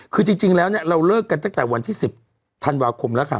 คือจริงแล้วเนี่ยเราเลิกกันตั้งแต่วันที่๑๐ธันวาคมแล้วค่ะ